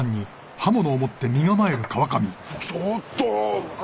ちょっと！